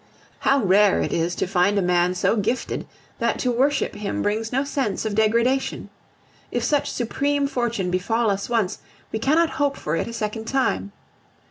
How rare it is to find a man so gifted that to worship him brings no sense of degradation! If such supreme fortune befall us once, we cannot hope for it a second time.